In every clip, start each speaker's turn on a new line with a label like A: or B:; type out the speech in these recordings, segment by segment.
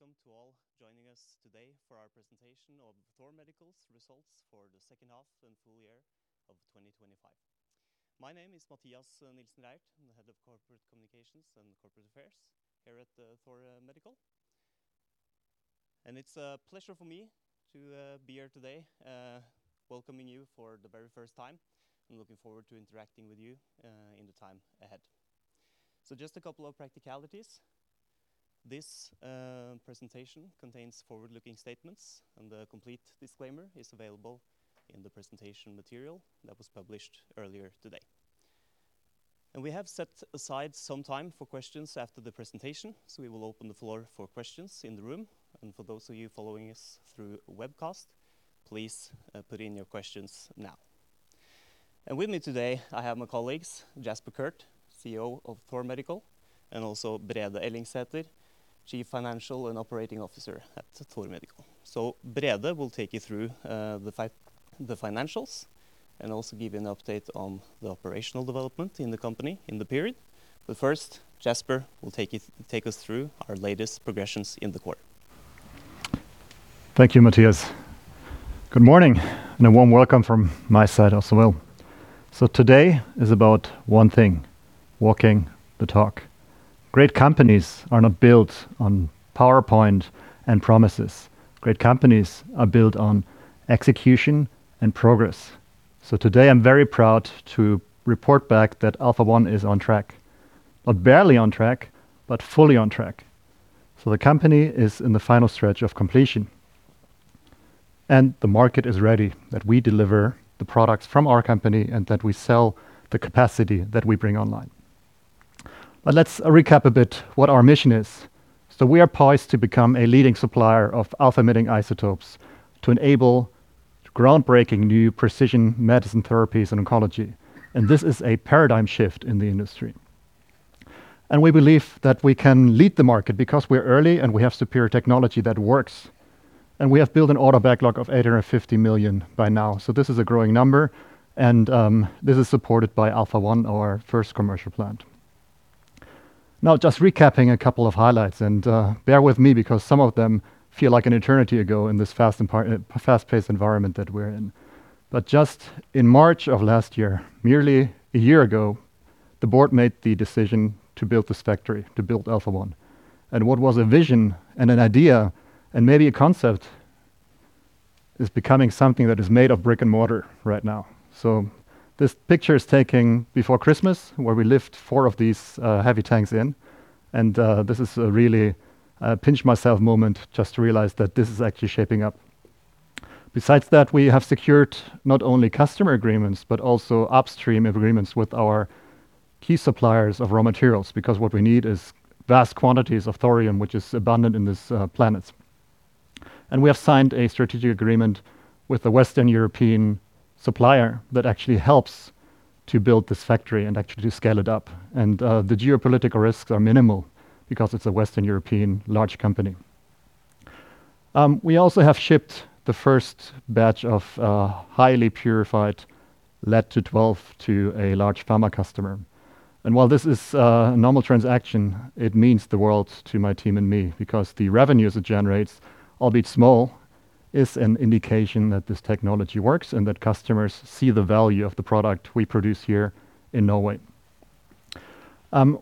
A: Good morning, a warm welcome to all joining us today for our presentation of Thor Medical's results for the second half and full year of 2025. My name is Mathias Nilsen Reierth. I'm the Head of Corporate Communications and Corporate Affairs here at Thor Medical. It's a pleasure for me to be here today, welcoming you for the very first time. I'm looking forward to interacting with you in the time ahead. Just a couple of practicalities. This presentation contains forward-looking statements, and the complete disclaimer is available in the presentation material that was published earlier today. We have set aside some time for questions after the presentation, so we will open the floor for questions in the room, and for those of you following us through webcast, please put in your questions now. With me today, I have my colleagues, Jasper Kurth, CEO of Thor Medical, and also Brede Ellingsæter, Chief Financial and Operating Officer at Thor Medical. Brede will take you through the financials and also give you an update on the operational development in the company in the period. First, Jasper will take us through our latest progressions in the quarter.
B: Thank you, Mathias. Good morning, and a warm welcome from my side as well. Today is about 1 thing: walking the talk. Great companies are not built on PowerPoint and promises. Great companies are built on execution and progress. Today I'm very proud to report back that AlphaOne is on track, not barely on track, but fully on track. The company is in the final stretch of completion, and the market is ready, that we deliver the products from our company and that we sell the capacity that we bring online. Let's recap a bit what our mission is. We are poised to become a leading supplier of alpha-emitting isotopes to enable groundbreaking new precision medicine therapies in oncology, and this is a paradigm shift in the industry. We believe that we can lead the market because we're early, and we have superior technology that works, and we have built an order backlog of 850 million by now. This is a growing number, and this is supported by AlphaOne, our first commercial plant. Just recapping a couple of highlights, and bear with me because some of them feel like an eternity ago in this fast-paced environment that we're in. Just in March of last year, merely a year ago, the board made the decision to build this factory, to build AlphaOne. What was a vision and an idea, and maybe a concept, is becoming something that is made of brick and mortar right now. This picture is taken before Christmas, where we lift four of these heavy tanks in, this is a really, a pinch-myself moment, just to realize that this is actually shaping up. Besides that, we have secured not only customer agreements but also upstream agreements with our key suppliers of raw materials, because what we need is vast quantities of thorium, which is abundant in this planets. We have signed a strategic agreement with a Western European supplier that actually helps to build this factory and actually to scale it up. The geopolitical risks are minimal because it's a Western European large company. We also have shipped the first batch of highly purified lead-212 to a large pharma customer. While this is a normal transaction, it means the world to my team and me because the revenues it generates, albeit small, is an indication that this technology works and that customers see the value of the product we produce here in Norway.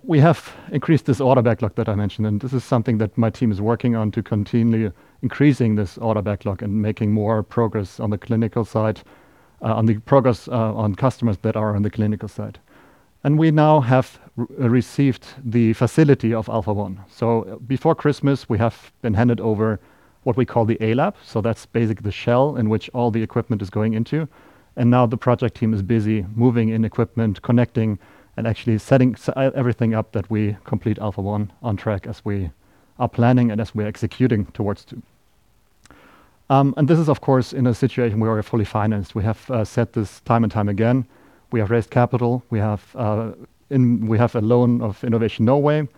B: We have increased this order backlog that I mentioned. This is something that my team is working on to continually increasing this order backlog and making more progress on the clinical side, on the progress on customers that are on the clinical side. We now have received the facility of AlphaOne. Before Christmas, we have been handed over what we call the A-lab, so that's basically the shell in which all the equipment is going into, and now the project team is busy moving in equipment, connecting and actually setting everything up that we complete AlphaOne on track as we are planning and as we're executing towards to. This is, of course, in a situation where we are fully financed. We have said this time and time again. We have raised capital, we have a loan of Innovation Norway,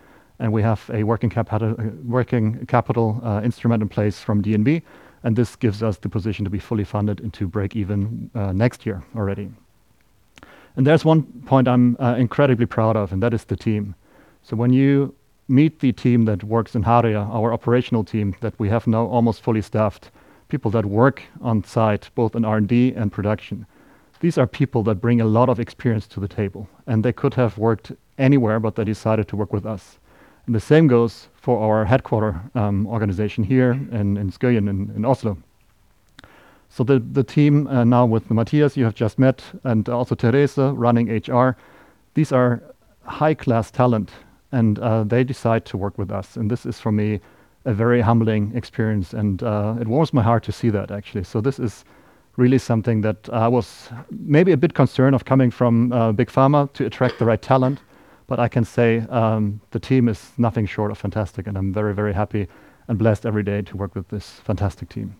B: and we have a working capital instrument in place from DNB, and this gives us the position to be fully funded and to break even next year already. There's one point I'm incredibly proud of, and that is the team. When you meet the team that works in Herøya, our operational team, that we have now almost fully staffed, people that work on-site, both in R&D and production, these are people that bring a lot of experience to the table, and they could have worked anywhere, but they decided to work with us. The same goes for our headquarter organization here in Skøyen, in Oslo. The team, now with Mathias, you have just met, and also Theresa, running HR, these are high-class talent and they decide to work with us. This is, for me, a very humbling experience and it warms my heart to see that, actually. This is really something that I was maybe a bit concerned of coming from big pharma to attract the right talent, but I can say, the team is nothing short of fantastic, and I'm very, very happy and blessed every day to work with this fantastic team.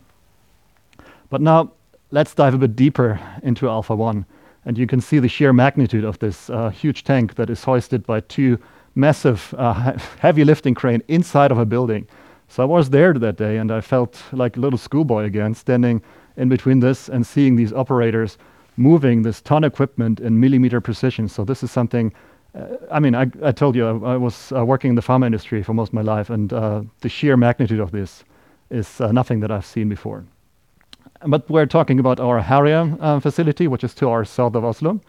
B: Now, let's dive a bit deeper into AlphaOne, and you can see the sheer magnitude of this huge tank that is hoisted by two massive heavy lifting crane inside of a building. I was there that day, and I felt like a little schoolboy again, standing in between this and seeing these operators moving this ton equipment in millimeter precision. This is something. I mean, I told you, I was working in the pharma industry for most of my life and the sheer magnitude of this is nothing that I've seen before. We're talking about our Herøya facility, which is to our south of Oslo,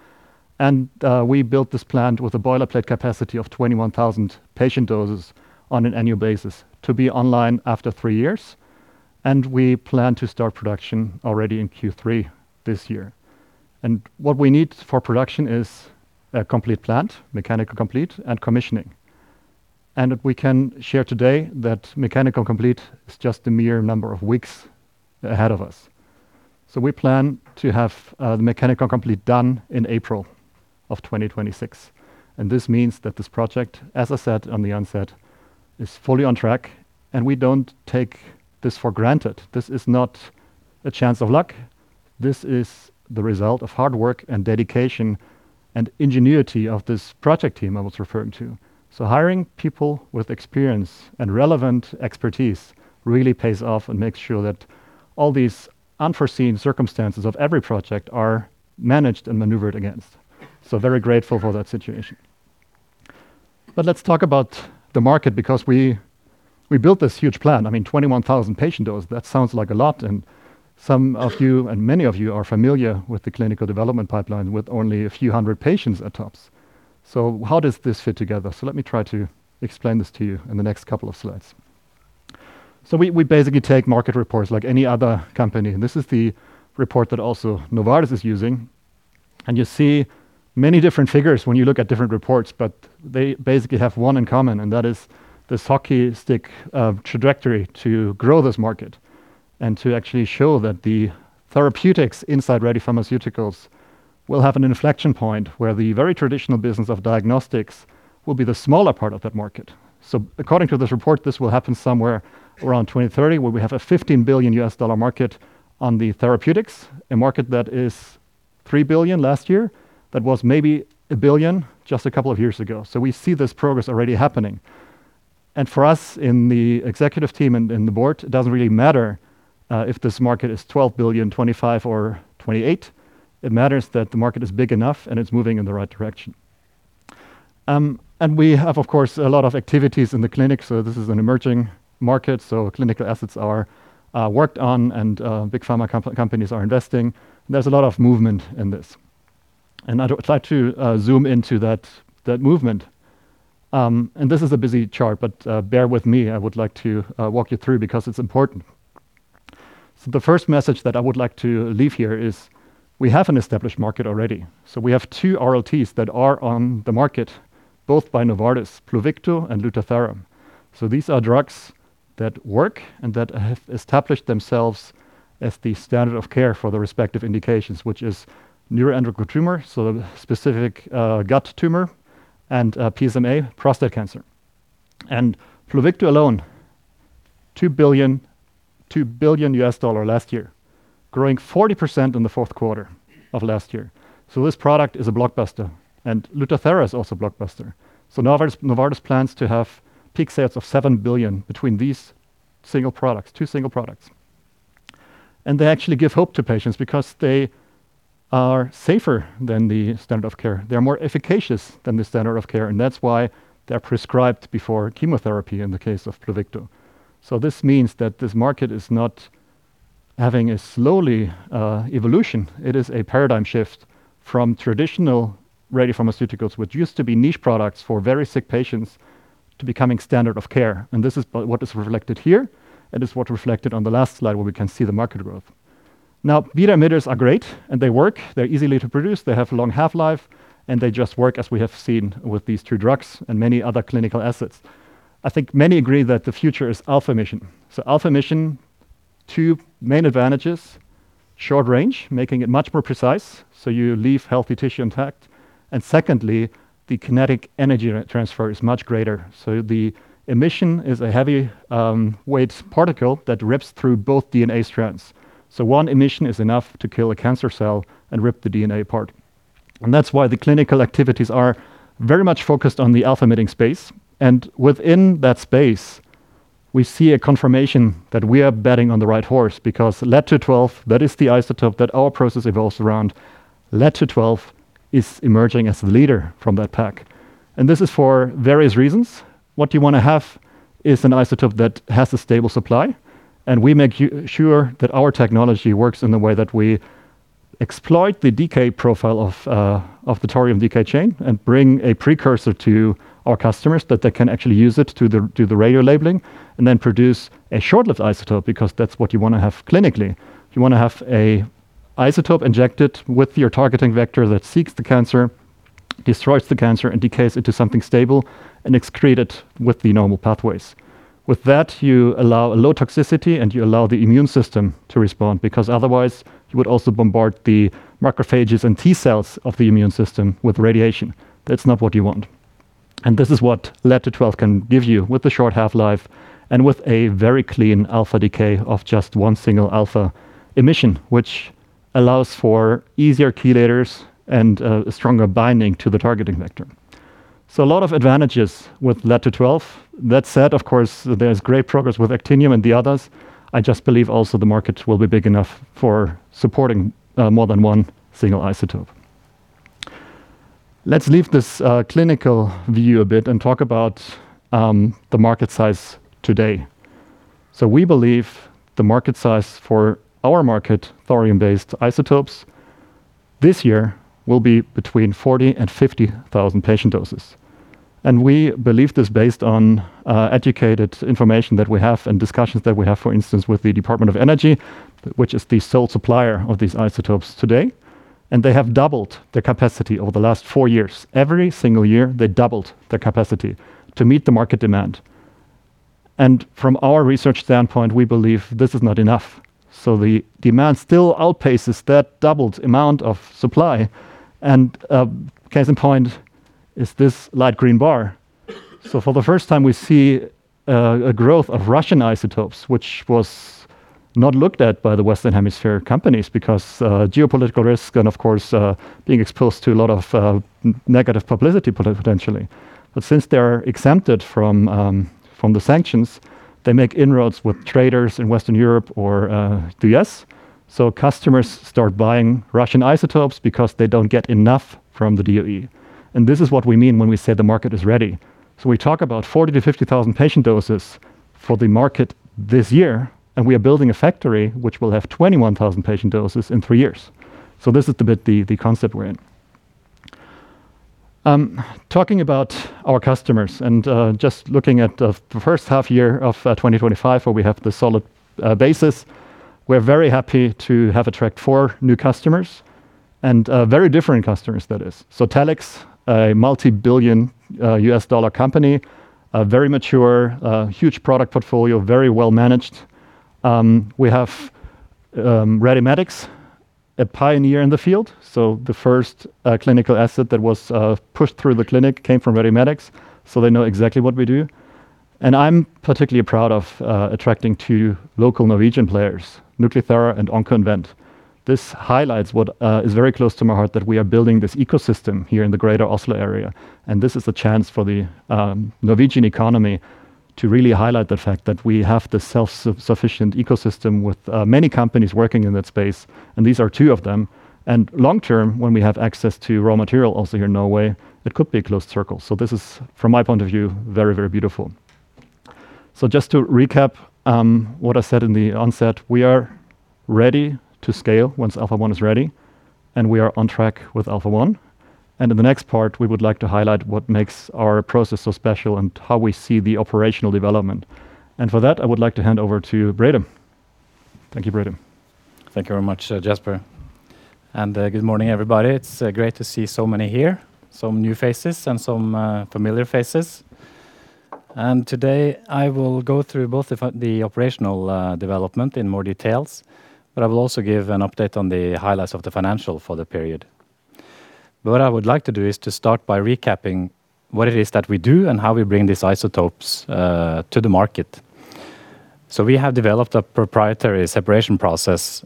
B: we built this plant with a boilerplate capacity of 21,000 patient doses on an annual basis to be online after 3 years, we plan to start production already in Q3 this year. What we need for production is a complete plant, mechanical complete, and commissioning. We can share today that mechanical complete is just a mere number of weeks ahead of us. We plan to have the mechanical complete done in April of 2026, this means that this project, as I said on the onset, is fully on track and we don't take this for granted. This is not a chance of luck, this is the result of hard work and dedication and ingenuity of this project team I was referring to. Hiring people with experience and relevant expertise really pays off and makes sure that all these unforeseen circumstances of every project are managed and maneuvered against. Very grateful for that situation. Let's talk about the market, because we built this huge plant. I mean, 21,000 patient dose, that sounds like a lot, some of you, and many of you, are familiar with the clinical development pipeline with only a few hundred patients at tops. How does this fit together? Let me try to explain this to you in the next couple of slides. We basically take market reports like any other company, and this is the report that also Novartis is using. You see many different figures when you look at different reports, but they basically have one in common, and that is this hockey stick trajectory to grow this market, and to actually show that the therapeutics inside radiopharmaceuticals will have an inflection point where the very traditional business of diagnostics will be the smaller part of that market. According to this report, this will happen somewhere around 2030, where we have a $15 billion market on the therapeutics, a market that is $3 billion last year, that was maybe $1 billion just a couple of years ago. We see this progress already happening. For us in the executive team and the board, it doesn't really matter if this market is $12 billion, $25 billion or $28 billion, it matters that the market is big enough and it's moving in the right direction. We have, of course, a lot of activities in the clinic. This is an emerging market, so clinical assets are worked on, and big pharma companies are investing. There's a lot of movement in this, and I'd like to zoom into that movement. This is a busy chart, but bear with me. I would like to walk you through, because it's important. The first message that I would like to leave here is: we have an established market already. We have 2 RLTs that are on the market, both by Novartis, Pluvicto and Lutathera. These are drugs that work and that have established themselves as the standard of care for the respective indications, which is neuroendocrine tumor, so specific, gut tumor, and PSMA, prostate cancer. Pluvicto alone, $2 billion last year, growing 40% in the Q4 of last year. This product is a blockbuster, and Lutathera is also a blockbuster. Novartis plans to have peak sales of $7 billion between two single products. They actually give hope to patients because they are safer than the standard of care. They're more efficacious than the standard of care, and that's why they're prescribed before chemotherapy in the case of Pluvicto. This means that this market is not having a slowly evolution. It is a paradigm shift from traditional radiopharmaceuticals, which used to be niche products for very sick patients, to becoming standard of care. This is what is reflected here, and it's what reflected on the last slide, where we can see the market growth. Beta emitters are great, and they work. They're easy to produce, they have long half-life, and they just work, as we have seen with these two drugs and many other clinical assets. I think many agree that the future is alpha emission. Alpha emission, two main advantages: short range, making it much more precise, so you leave healthy tissue intact, and secondly, the kinetic energy transfer is much greater, so the emission is a heavy weight particle that rips through both DNA strands. One emission is enough to kill a cancer cell and rip the DNA apart. That's why the clinical activities are very much focused on the alpha emitting space. Within that space, we see a confirmation that we are betting on the right horse, because lead-212, that is the isotope that our process revolves around, lead-212 is emerging as the leader from that pack. This is for various reasons. What you wanna have is an isotope that has a stable supply, and we make sure that our technology works in the way that we exploit the decay profile of the thorium decay chain and bring a precursor to our customers, that they can actually use it do the radiolabeling, and then produce a short-lived isotope, because that's what you wanna have clinically. You wanna have a isotope injected with your targeting vector that seeks the cancer, destroys the cancer, and decays into something stable, and excrete it with the normal pathways. With that, you allow a low toxicity and you allow the immune system to respond, because otherwise, you would also bombard the macrophages and T cells of the immune system with radiation. That's not what you want. This is what lead-212 can give you with a short half-life and with a very clean alpha decay of just one single alpha emission, which allows for easier chelators and a stronger binding to the targeting vector. A lot of advantages with lead-212. That said, of course, there's great progress with actinium and the others. I just believe also the market will be big enough for supporting more than one single isotope. Let's leave this clinical view a bit and talk about the market size today. We believe the market size for our market, thorium-based isotopes, this year will be between 40,000 and 50,000 patient doses. We believe this based on educated information that we have and discussions that we have, for instance, with the Department of Energy, which is the sole supplier of these isotopes today, and they have doubled their capacity over the last four years. Every single year, they doubled their capacity to meet the market demand. From our research standpoint, we believe this is not enough. The demand still outpaces that doubled amount of supply, and case in point is this light green bar. For the first time, we see a growth of Russian isotopes, which was not looked at by the Western Hemisphere companies because geopolitical risk and, of course, being exposed to a lot of negative publicity potentially. Since they're exempted from the sanctions, they make inroads with traders in Western Europe or the US. Customers start buying Russian isotopes because they don't get enough from the DOE. This is what we mean when we say the market is ready. We talk about 40,000-50,000 patient doses for the market this year, and we are building a factory which will have 21,000 patient doses in 3 years. This is the concept we're in. Talking about our customers, just looking at the first half-year of 2025, where we have the solid basis, we're very happy to have attract 4 new customers, very different customers, that is. Telix, a multibillion dollar company, a very mature, huge product portfolio, very well managed. We have RadioMedix, a pioneer in the field. The first clinical asset that was pushed through the clinic came from RadioMedix, so they know exactly what we do. I'm particularly proud of attracting 2 local Norwegian players, NucliThera and Oncoinvent. This highlights what is very close to my heart, that we are building this ecosystem here in the greater Oslo area. This is a chance for the Norwegian economy to really highlight the fact that we have the self-sufficient ecosystem with many companies working in that space, and these are two of them. Long term, when we have access to raw material also here in Norway, it could be a closed circle. This is, from my point of view, very, very beautiful. Just to recap, what I said in the onset, we are ready to scale once AlphaOne is ready, and we are on track with AlphaOne. In the next part, we would like to highlight what makes our process so special and how we see the operational development. For that, I would like to hand over to Brede. Thank you, Brede.
C: Thank you very much, Jasper, good morning, everybody. It's great to see so many here, some new faces and some familiar faces. Today, I will go through both the operational development in more details, but I will also give an update on the highlights of the financial for the period. What I would like to do is to start by recapping what it is that we do and how we bring these isotopes to the market. We have developed a proprietary separation process,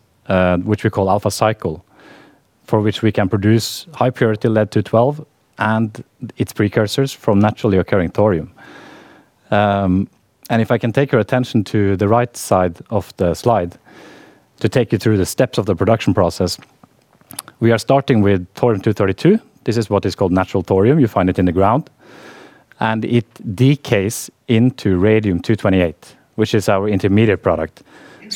C: which we call AlphaCycle, for which we can produce high-purity lead-212 and its precursors from naturally occurring thorium. If I can take your attention to the right side of the slide, to take you through the steps of the production process. We are starting with thorium-232. This is what is called natural thorium. You find it in the ground. It decays into radium-228, which is our intermediate product.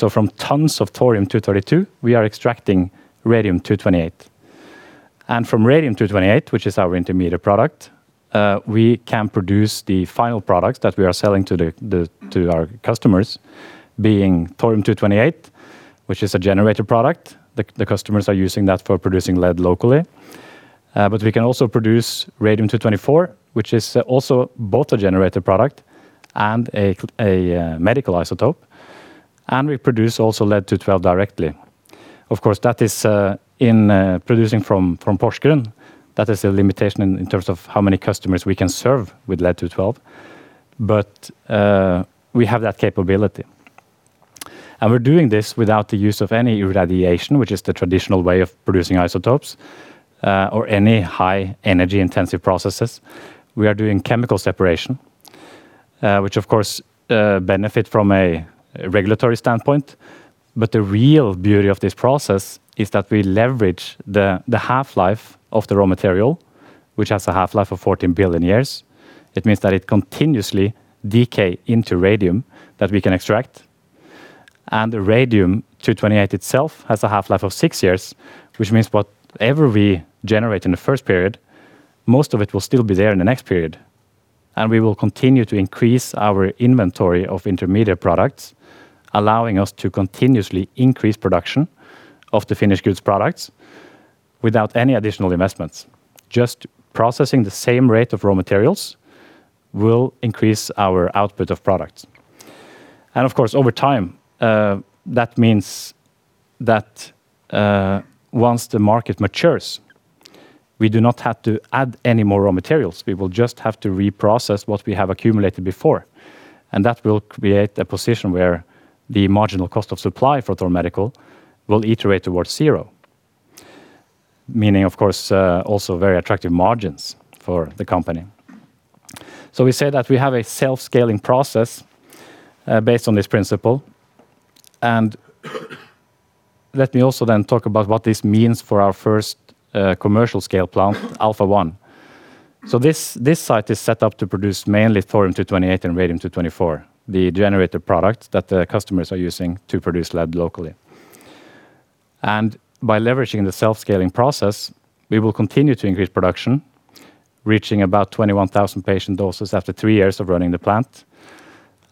C: From tons of thorium-232, we are extracting radium-228. From radium-228, which is our intermediate product, we can produce the final product that we are selling to our customers, being thorium-228, which is a generator product. The customers are using that for producing lead locally. We can also produce radium-224, which is also both a generator product and a medical isotope, and we produce also lead-212 directly. Of course, that is producing from Porsgrunn. That is a limitation in terms of how many customers we can serve with lead-212, we have that capability. We're doing this without the use of any radiation, which is the traditional way of producing isotopes or any high energy-intensive processes. We are doing chemical separation, which of course benefit from a regulatory standpoint. The real beauty of this process is that we leverage the half-life of the raw material, which has a half-life of 14 billion years. It means that it continuously decay into radium that we can extract. The radium-228 itself has a half-life of 6 years, which means whatever we generate in the first period, most of it will still be there in the next period. We will continue to increase our inventory of intermediate products, allowing us to continuously increase production of the finished goods products without any additional investments. Just processing the same rate of raw materials will increase our output of products. Of course, that means that once the market matures, we do not have to add any more raw materials. We will just have to reprocess what we have accumulated before, and that will create a position where the marginal cost of supply for Thor Medical will iterate towards zero, meaning, of course, also very attractive margins for the company.... We say that we have a self-scaling process based on this principle. Let me also then talk about what this means for our first commercial-scale plant, AlphaOne. This site is set up to produce mainly thorium-228 and radium-224, the generator product that the customers are using to produce lead locally. By leveraging the self-scaling process, we will continue to increase production, reaching about 21,000 patient doses after 3 years of running the plant,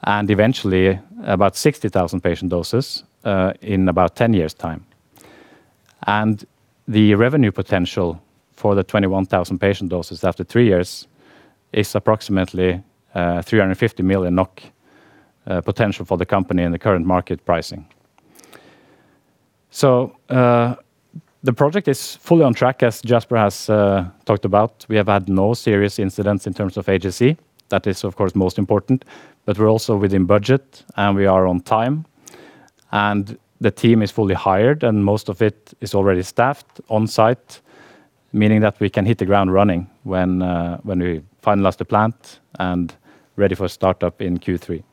C: and eventually about 60,000 patient doses in about 10 years' time. The revenue potential for the 21,000 patient doses after 3 years is approximately 350 million NOK potential for the company in the current market pricing. The project is fully on track, as Jasper has talked about. We have had no serious incidents in terms of agency. That is, of course, most important. We're also within budget, and we are on time, and the team is fully hired, and most of it is already staffed on-site, meaning that we can hit the ground running when we finalize the plant and ready for startup in Q3.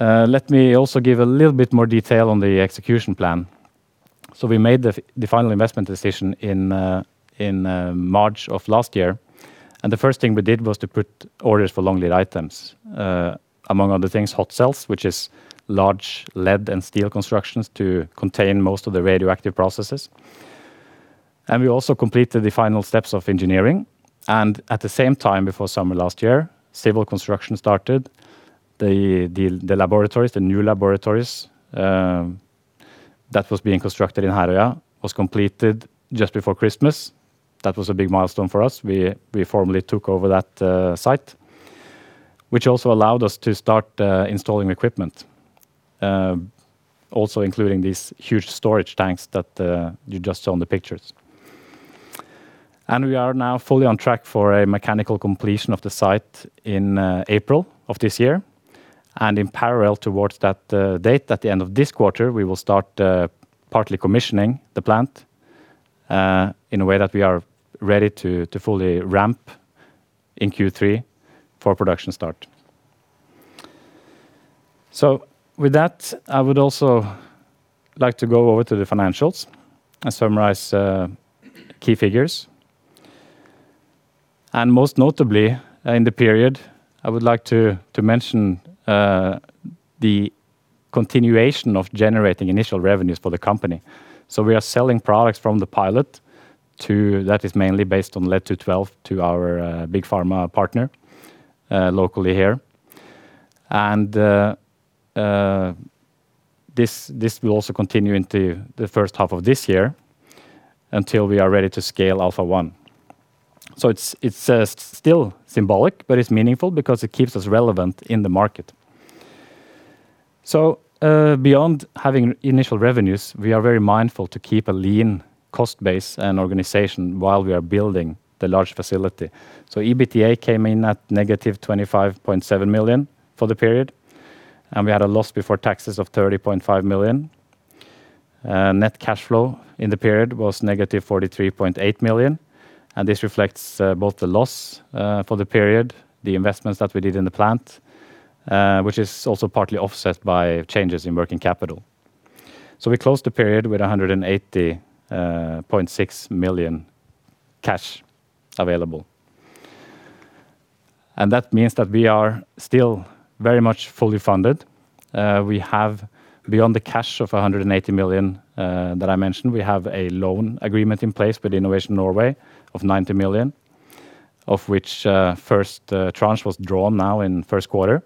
C: Let me also give a little bit more detail on the execution plan. We made the final investment decision in March of last year, and the first thing we did was to put orders for long lead items, among other things, hot cells, which is large lead and steel constructions to contain most of the radioactive processes. We also completed the final steps of engineering, and at the same time, before summer last year, civil construction started. The laboratories, the new laboratories that was being constructed in Herøya was completed just before Christmas. That was a big milestone for us. We formally took over that site, which also allowed us to start installing equipment, also including these huge storage tanks that you just saw in the pictures. We are now fully on track for a mechanical completion of the site in April of this year, and in parallel towards that date. At the end of this quarter, we will start partly commissioning the plant in a way that we are ready to fully ramp in Q3 for production start. With that, I would also like to go over to the financials and summarize key figures. Most notably, in the period, I would like to mention the continuation of generating initial revenues for the company. We are selling products from the pilot to... That is mainly based on lead-212, to our big pharma partner locally here. This will also continue into the first half of this year until we are ready to scale AlphaOne. It's still symbolic, but it's meaningful because it keeps us relevant in the market. Beyond having initial revenues, we are very mindful to keep a lean cost base and organization while we are building the large facility. EBITDA came in at -25.7 million for the period, and we had a loss before taxes of -30.5 million. Net cash flow in the period was -43.8 million, and this reflects both the loss for the period, the investments that we did in the plant, which is also partly offset by changes in working capital. We closed the period with 180.6 million cash available. That means that we are still very much fully funded. We have, beyond the cash of 180 million that I mentioned, we have a loan agreement in place with Innovation Norway of 90 million, of which first tranche was drawn now in Q1.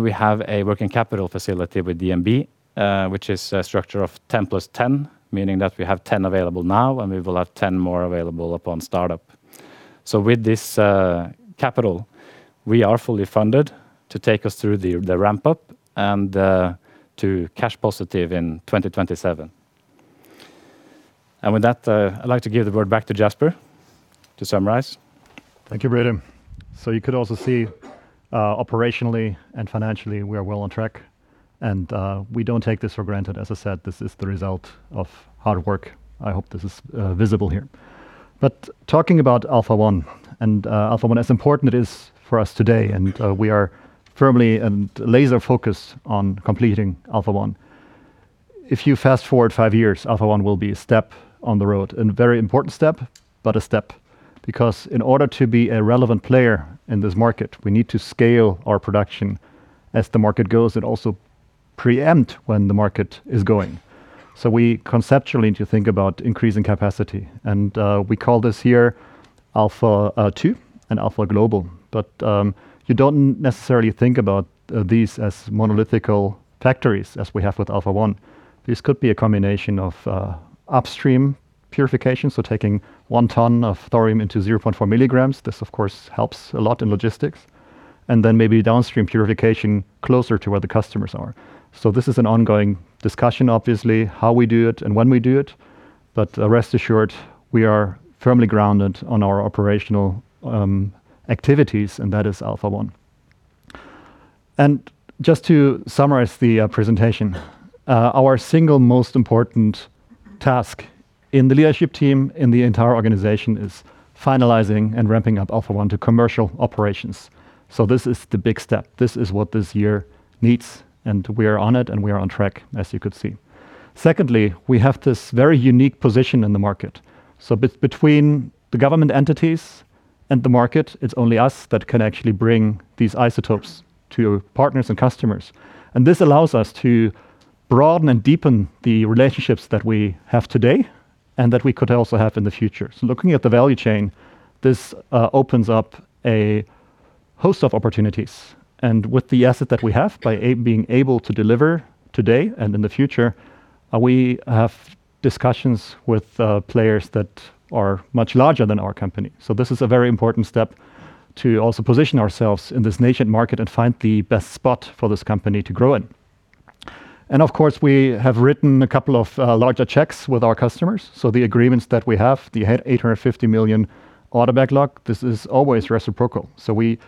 C: We have a working capital facility with DNB, which is a structure of 10 million plus 10 million, meaning that we have 10 million available now, and we will have 10 million more available upon startup. With this capital, we are fully funded to take us through the ramp-up and to cash positive in 2027. With that, I'd like to give the word back to Jasper to summarize.
B: Thank you, Brede. You could also see, operationally and financially, we are well on track, and we don't take this for granted. As I said, this is the result of hard work. I hope this is visible here. Talking about AlphaOne and AlphaOne, as important it is for us today, and we are firmly and laser focused on completing AlphaOne. If you fast-forward five years, AlphaOne will be a step on the road, and a very important step, but a step, because in order to be a relevant player in this market, we need to scale our production as the market goes and also preempt when the market is going. We conceptually need to think about increasing capacity, and we call this here Alpha Two and Alpha Global. You don't necessarily think about these as monolithical factories as we have with AlphaOne. This could be a combination of upstream purification, so taking 1 ton of thorium into 0.4 milligrams. This, of course, helps a lot in logistics. Then maybe downstream purification closer to where the customers are. This is an ongoing discussion, obviously, how we do it and when we do it, but rest assured, we are firmly grounded on our operational activities, and that is AlphaOne. Just to summarize the presentation, our single most important task in the leadership team in the entire organization is finalizing and ramping up AlphaOne to commercial operations. This is the big step. This is what this year needs, and we are on it, and we are on track, as you could see. Secondly, we have this very unique position in the market. Between the government entities and the market, it's only us that can actually bring these isotopes to partners and customers. This allows us to broaden and deepen the relationships that we have today and that we could also have in the future. Looking at the value chain, this opens up a host of opportunities, and with the asset that we have, being able to deliver today and in the future, we have discussions with players that are much larger than our company. This is a very important step to also position ourselves in this nascent market and find the best spot for this company to grow in. Of course, we have written a couple of larger checks with our customers. The agreements that we have, the 850 million order backlog, this is always reciprocal. We,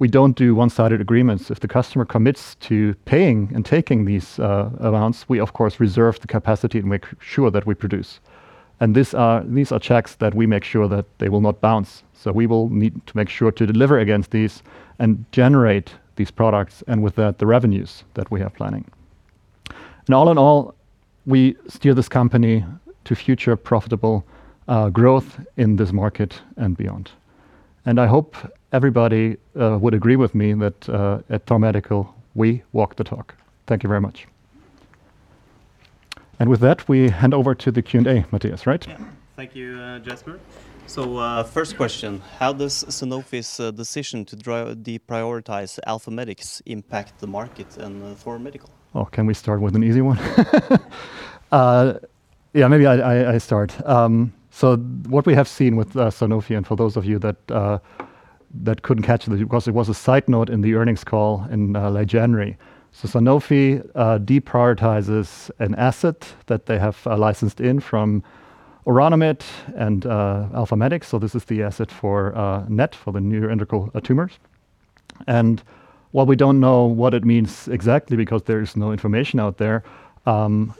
B: we don't do one-sided agreements. If the customer commits to paying and taking these amounts, we of course, reserve the capacity to make sure that we produce. These are checks that we make sure that they will not bounce. We will need to make sure to deliver against these and generate these products, and with that, the revenues that we are planning. All in all, we steer this company to future profitable growth in this market and beyond. I hope everybody would agree with me that at Thor Medical, we walk the talk. Thank you very much. With that, we hand over to the Q&A, Mathias, right?
A: Yeah. Thank you, Jasper. First question: How does Sanofi's decision to deprioritize RadioMedix impact the market and Thor Medical?
B: Can we start with an easy one? Yeah, maybe I start. What we have seen with Sanofi, and for those of you that couldn't catch it, because it was a side note in the earnings call in late January. Sanofi deprioritizes an asset that they have licensed in from Orano Med and AlphaMedix. This is the asset for NET, for the neuroendocrine tumors. While we don't know what it means exactly because there is no information out there,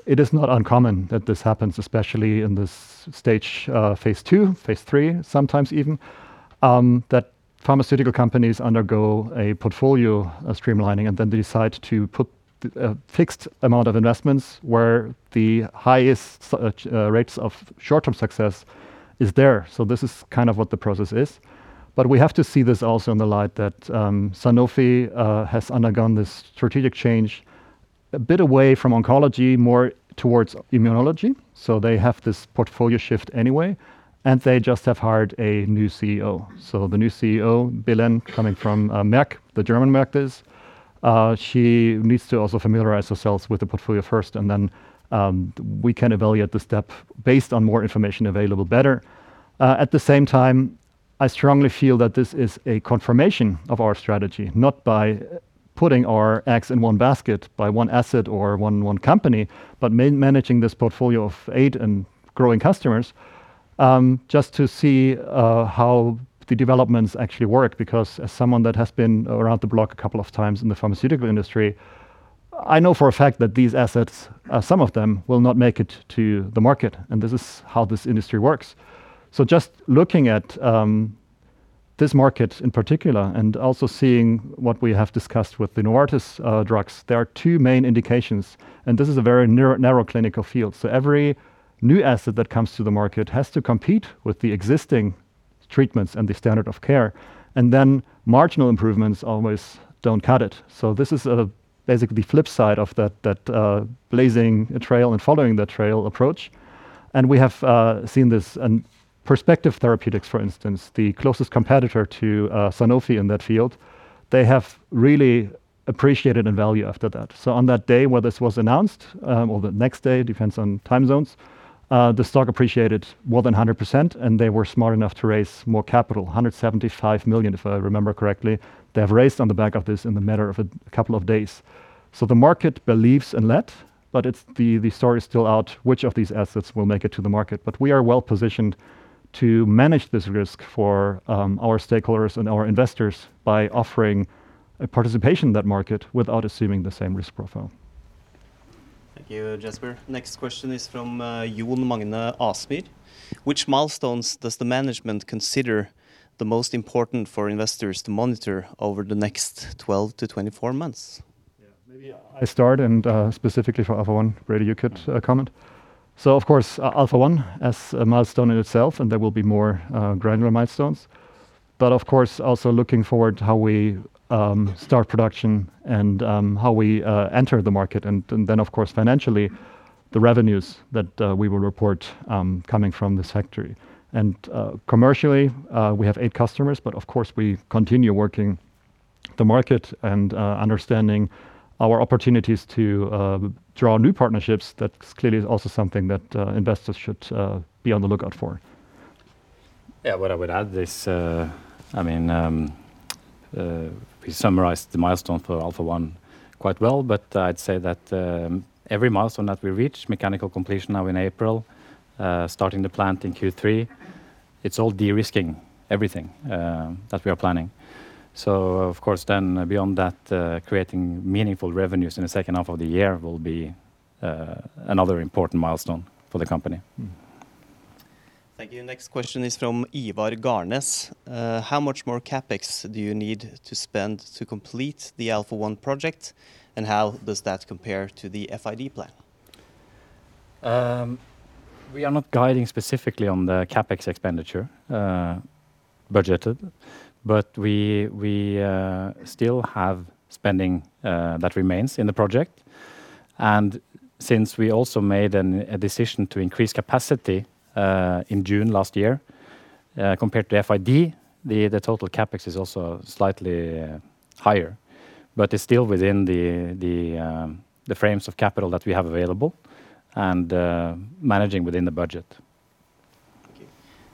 B: it is not uncommon that this happens, especially in this stage, phase II, phase III, sometimes even, that pharmaceutical companies undergo a portfolio streamlining and then they decide to put fixed amount of investments where the highest rates of short-term success is there. This is kind of what the process is. We have to see this also in the light that Sanofi has undergone this strategic change, a bit away from oncology, more towards immunology. They have this portfolio shift anyway, and they just have hired a new CEO. The new CEO, Belén, coming from Merck, the German Merck, that is. She needs to also familiarize herself with the portfolio first, and then we can evaluate the step based on more information available better. At the same time, I strongly feel that this is a confirmation of our strategy, not by putting our eggs in one basket, by one asset or one company, but man-managing this portfolio of eight and growing customers, just to see how the developments actually work. Because as someone that has been around the block a couple of times in the pharmaceutical industry, I know for a fact that these assets, some of them will not make it to the market, and this is how this industry works. Just looking at this market in particular and also seeing what we have discussed with the Novartis drugs, there are two main indications, and this is a very narrow clinical field. Every new asset that comes to the market has to compete with the existing treatments and the standard of care, and then marginal improvements almost don't cut it. This is basically the flip side of that blazing a trail and following the trail approach. We have seen this in Perspective Therapeutics, for instance, the closest competitor to Sanofi in that field. They have really appreciated in value after that. On that day where this was announced, or the next day, depends on time zones, the stock appreciated more than 100%. They were smart enough to raise more capital, 175 million, if I remember correctly. They have raised on the back of this in the matter of a couple of days. The market believes in that, but it's the story is still out, which of these assets will make it to the market. We are well positioned to manage this risk for our stakeholders and our investors by offering a participation in that market without assuming the same risk profile.
A: Thank you, Jasper. Next question is from Jon Magnus Osnes: Which milestones does the management consider the most important for investors to monitor over the next 12-24 months?
B: Yeah, maybe I start, specifically for AlphaOne, Brede, you could comment. Of course, AlphaOne as a milestone in itself, and there will be more granular milestones, but of course, also looking forward to how we start production and how we enter the market. Then, of course, financially, the revenues that we will report coming from this factory. Commercially, we have eight customers, but of course, we continue working the market and understanding our opportunities to draw new partnerships. That clearly is also something that investors should be on the lookout for.
C: Yeah, what I would add this, I mean, we summarized the milestone for AlphaOne quite well, but I'd say that every milestone that we reach, mechanical completion now in April, starting the plant in Q3, it's all de-risking everything that we are planning. Of course, then beyond that, creating meaningful revenues in the second half of the year will be another important milestone for the company.
A: Thank you. Next question is from Iver Garnes. How much more CapEx do you need to spend to complete the AlphaOne project, and how does that compare to the FID plan?
C: We are not guiding specifically on the CapEx expenditure budgeted, but we still have spending that remains in the project. Since we also made a decision to increase capacity in June last year, compared to FID, the total CapEx is also slightly higher, but it's still within the frames of capital that we have available and managing within the budget.
A: Thank you.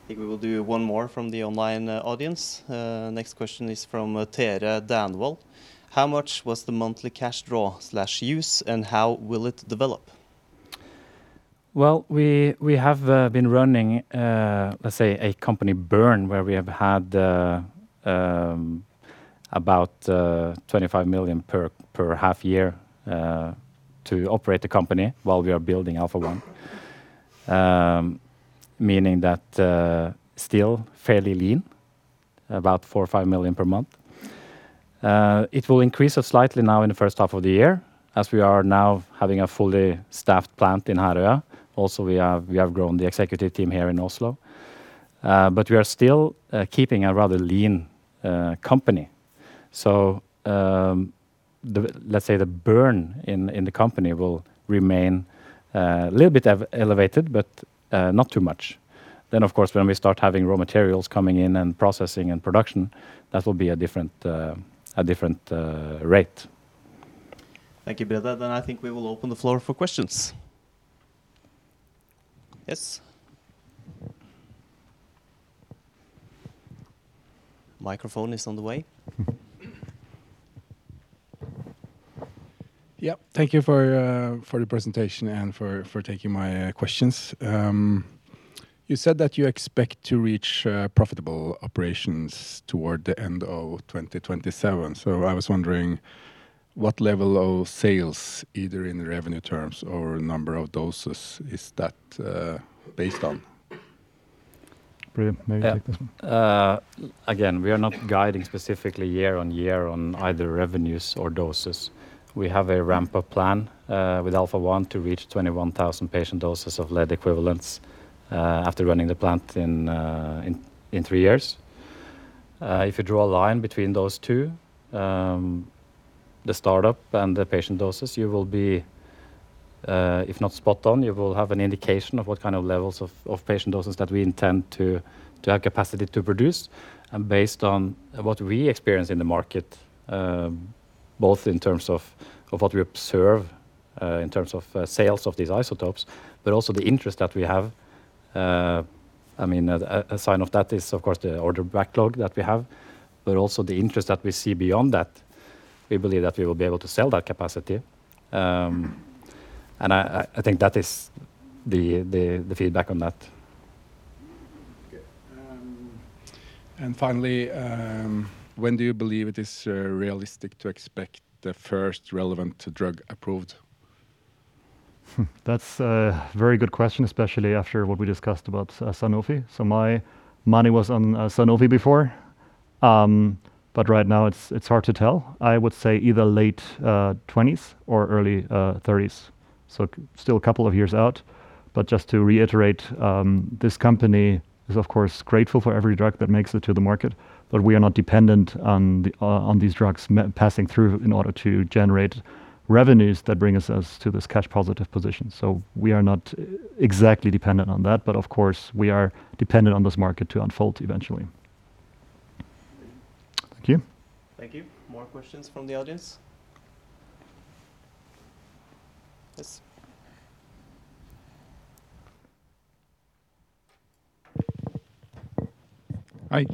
A: I think we will do one more from the online audience. Next question is from Jarle Dale. How much was the monthly cash draw/use, and how will it develop?
C: We have been running, let's say, a company burn, where we have had about 25 million per half year to operate the company while we are building AlphaOne. Meaning that still fairly lean, about 4 million-5 million per month. It will increase slightly now in the first half of the year, as we are now having a fully staffed plant in Herøya. We have grown the executive team here in Oslo, but we are still keeping a rather lean company. Let's say the burn in the company will remain a little bit elevated, but not too much. Of course, when we start having raw materials coming in and processing and production, that will be a different rate.
A: Thank you, Brede. I think we will open the floor for questions. Yes. Microphone is on the way.
D: Yep. Thank you for the presentation and for taking my questions. You said that you expect to reach profitable operations toward the end of 2027. I was wondering, what level of sales, either in revenue terms or number of doses, is that based on?
B: Brede, may you take this one?
C: Yeah. Again, we are not guiding specifically year on year on either revenues or doses. We have a ramp-up plan with AlphaOne to reach 21,000 patient doses of lead equivalents after running the plant in 3 years. If you draw a line between those two, the startup and the patient doses, you will be, if not spot on, you will have an indication of what kind of levels of patient doses that we intend to have capacity to produce. Based on what we experience in the market, both in terms of what we observe, in terms of sales of these isotopes, but also the interest that we have. I mean, a sign of that is, of course, the order backlog that we have, but also the interest that we see beyond that, we believe that we will be able to sell that capacity. I think that is the feedback on that.
D: Okay. Finally, when do you believe it is realistic to expect the first relevant drug approved?
B: That's a very good question, especially after what we discussed about Sanofi. My money was on Sanofi before, but right now it's hard to tell. I would say either late 20s or early 30s, still a couple of years out. Just to reiterate, this company is, of course, grateful for every drug that makes it to the market, but we are not dependent on these drugs passing through in order to generate revenues that bring us to this cash-positive position. We are not exactly dependent on that, but of course, we are dependent on this market to unfold eventually. Thank you.
A: Thank you. More questions from the audience? Yes.
E: Hi,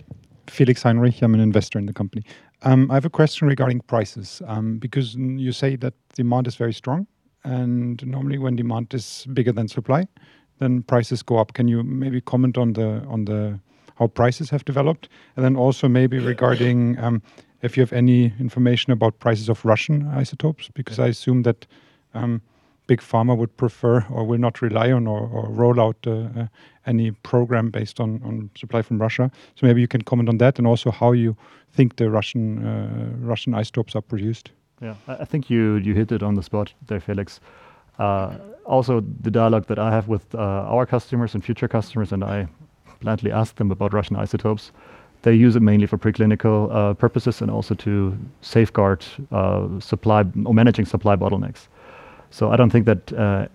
E: Felix Heinrich. I'm an investor in the company. I have a question regarding prices, because you say that demand is very strong, and normally when demand is bigger than supply, then prices go up. Can you maybe comment on the how prices have developed? Also maybe regarding if you have any information about prices of Russian isotopes, because I assume that Big Pharma would prefer or will not rely on or roll out any program based on supply from Russia. Maybe you can comment on that, and also how you think the Russian isotopes are produced.
B: I think you hit it on the spot there, Felix. The dialogue that I have with our customers and future customers, and I bluntly ask them about Russian isotopes, they use it mainly for preclinical purposes and also to safeguard supply or managing supply bottlenecks. I don't think that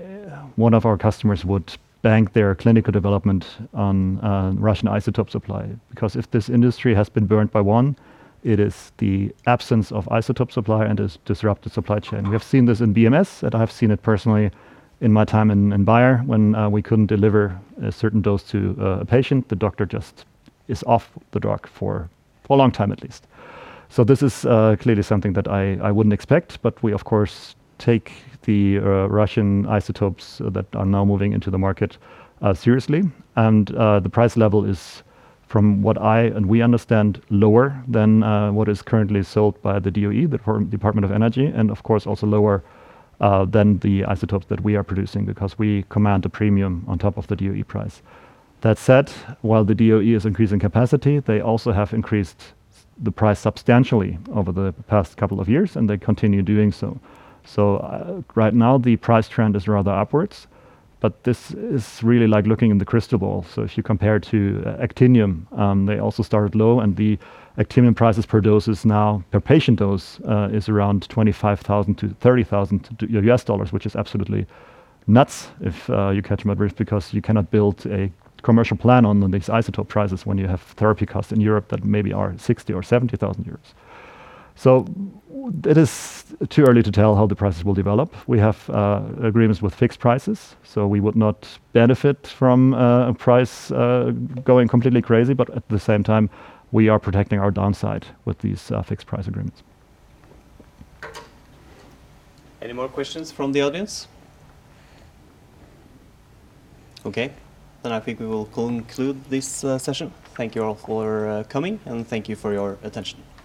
B: one of our customers would bank their clinical development on Russian isotope supply. If this industry has been burnt by one, it is the absence of isotope supply and its disrupted supply chain. We have seen this in BMS, and I've seen it personally in my time in Bayer, when we couldn't deliver a certain dose to a patient, the doctor just is off the dock for a long time at least. This is clearly something that I wouldn't expect, but we, of course, take the Russian isotopes that are now moving into the market seriously. The price level is, from what I and we understand, lower than what is currently sold by the DOE, the Department of Energy, and of course, also lower than the isotopes that we are producing because we command a premium on top of the DOE price. That said, while the DOE is increasing capacity, they also have increased the price substantially over the past couple of years, and they continue doing so. Right now, the price trend is rather upwards, but this is really like looking in the crystal ball. If you compare to actinium, they also started low, and the actinium prices per dose is now, per patient dose, is around $25,000-$30,000, which is absolutely nuts if you catch my drift, because you cannot build a commercial plan on these isotope prices when you have therapy costs in Europe that maybe are 60,000-70,000 euros. It is too early to tell how the prices will develop. We have agreements with fixed prices, so we would not benefit from a price going completely crazy, but at the same time, we are protecting our downside with these fixed price agreements.
A: Any more questions from the audience? Okay, I think we will conclude this session. Thank you all for coming, and thank you for your attention.